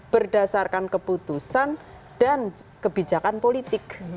berdasarkan keputusan dan kebijakan politik